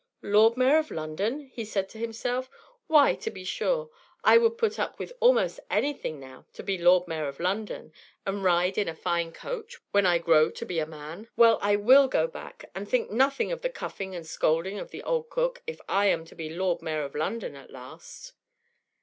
"Lord Mayor of London!" said he to himself. "Why, to be sure, I would put up with almost anything now, to be Lord Mayor of London, and ride in a fine coach, when I grow to be a man! Well, I will go back, and think nothing of the cuffing and scolding of the old cook, if I am to be Lord Mayor of London at last."